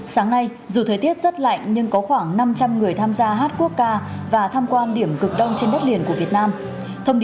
sáng nay dù thời tiết rất lạnh nhưng có khoảng năm trăm linh người tham gia hát quốc ca và tham quan điểm cực đông trên đất liền của việt nam